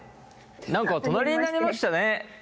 何か隣になりましたね。